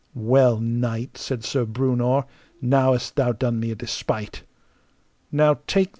Well, knight, said Sir Breunor, now hast thou done me a despite. CHAPTER XXVI.